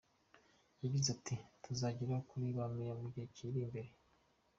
Yagize ati “Tuzagera kuri ba meya mu gihe kiri imbere.